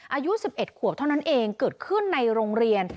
อายุ๑๑ขวบเท่านั้นเองเกิดขึ้นในโรงเรียน